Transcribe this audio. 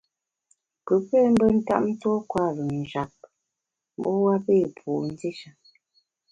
Pù pé mbe ntap tuo kwer-ùn njap, mbu a pé pu ndishe.